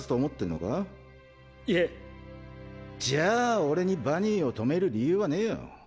じゃあ俺にバニーを止める理由はねぇよ。